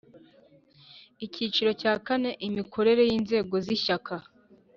Icyiciro cya kane Imikorere y’inzego z‘Ishyaka